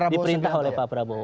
diperintah oleh pak prabowo